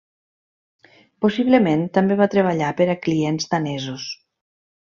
Possiblement també va treballar per a clients danesos.